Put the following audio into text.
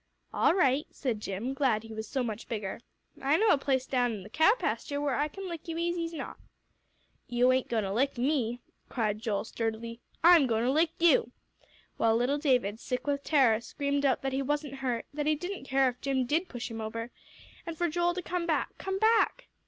"All right," said Jim, glad he was so much bigger. "I know a place down in th' cow pasture where I can lick you's easy's not." "You ain't a goin' to lick me," cried Joel, sturdily, "I'm goin' to lick you," while little David, sick with terror, screamed out that he wasn't hurt; that he didn't care if Jim did push him over, and for Joel to come back come back!